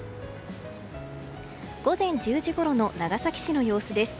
午前１０時ごろの長崎市の様子です。